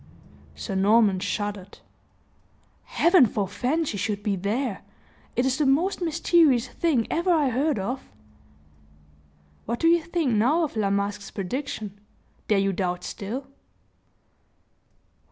Sir Norman shuddered. "Heaven forefend she should be there! It is the most mysterious thing ever I heard of!" "What do you think now of La Masque's prediction dare you doubt still?"